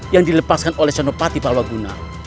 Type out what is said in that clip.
yang dilepaskan oleh sanopati palwaguna